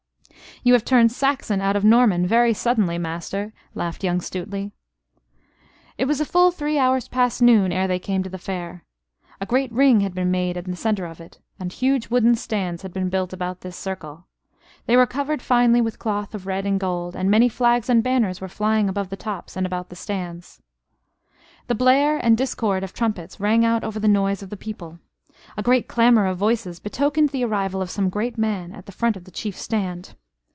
"You have turned Saxon out of Norman very suddenly, master," laughed young Stuteley. It was a full three hours past noon ere they came to the Fair. A great ring had been made in the centre of it, and huge wooden stands had been built about this circle. They were covered finely with cloth of red and gold; and many flags and banners were flying above the tops and about the stands. The blare and discord of trumpets rang out over the noise of the people. A great clamor of voices betokened the arrival of some great man at the front of the chief stand.